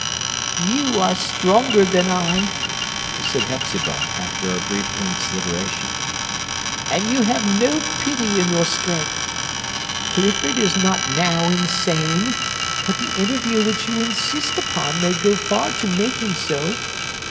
"You are stronger than I," said Hepzibah, after a brief consideration; "and you have no pity in your strength! Clifford is not now insane; but the interview which you insist upon may go far to make him so.